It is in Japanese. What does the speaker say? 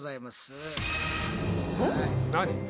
何？